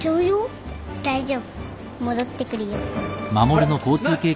大丈夫戻ってくるよ。